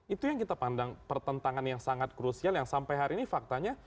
itu yang kita pandang pertentangan yang sangat krusial yang sampai hari ini faktanya